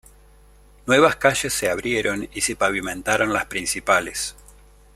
Nuevas calles se abrieron y se pavimentaron las principales.